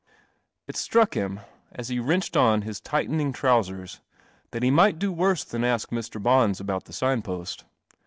It truck him, .1 he wrenched on his tighten ing trousers, th.it he might do v. than ask Mr. Bonsabout the ign post.